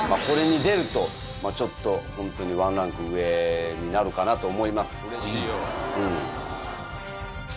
これに出るとちょっとホントにワンランク上になるかなと思います。